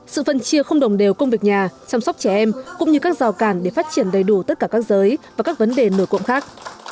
sự phân chia không đồng đều công việc nhà chăm sóc trẻ em cũng như các rào cản để phát triển đầy đủ tất cả các giới và các vấn đề nổi cộm khác